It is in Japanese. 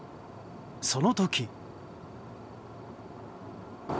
その時。